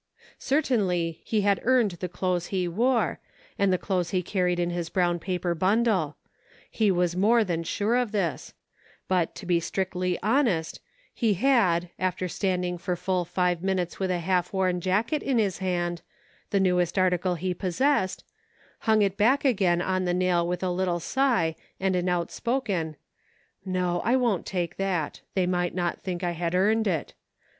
Certainly he had earned the clothes he wore, and the clothes he carried in his brown paper bundle ; he was more than sure of this ; but, to be strictly honest, he had, after standing for full five minutes with a half worn jacket in his hand, the newest article he possessed, hung it back again on the nail with a little sigh and an outspoken :" No, I won't take that ; they might not think I had earned it.